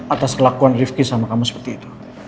atas kelakuan rifki sama kamu seperti itu